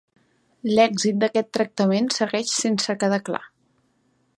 L'èxit d'aquest tractament segueix sense quedar clar.